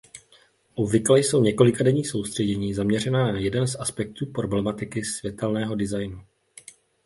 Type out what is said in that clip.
Obvykle jsou několikadenní soustředění zaměřena na jeden z aspektů problematiky světelného designu.